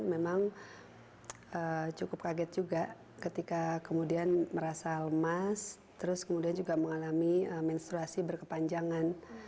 memang cukup kaget juga ketika kemudian merasa lemas terus kemudian juga mengalami menstruasi berkepanjangan